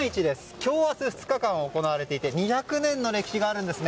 今日、明日２日間行われていて２００年の歴史があるんですね。